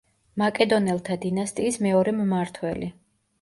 მაკედონელთა დინასტიის მეორე მმართველი.